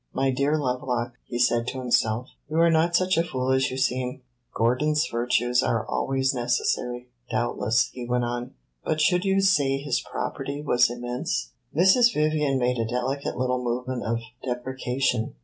"My dear Lovelock," he said to himself, "you are not such a fool as you seem. Gordon's virtues are always necessary, doubtless," he went on. "But should you say his property was immense?" Mrs. Vivian made a delicate little movement of deprecation.